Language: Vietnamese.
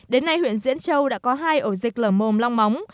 đến nay huyện diễn châu đã có hai ổ dịch lở mồm long móng